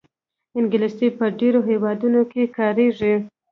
انګلیسي په ډېرو هېوادونو کې کارېږي